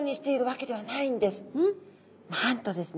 なんとですね